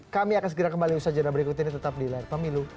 kami akan segera kembali usaha jadwal berikut ini tetap di layar pemilu